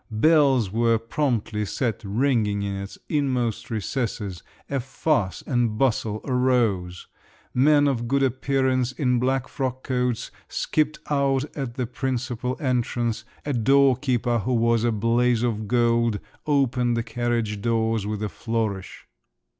Bells were promptly set ringing in its inmost recesses; a fuss and bustle arose; men of good appearance in black frock coats skipped out at the principal entrance; a door keeper who was a blaze of gold opened the carriage doors with a flourish.